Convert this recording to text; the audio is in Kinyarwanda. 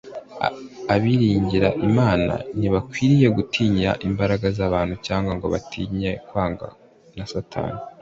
” abiringira imana ntibakwiriye gutinya imbaraga z’abantu cyangwa ngo batinye kwangwa na satani